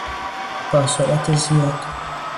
با سرعت زیاد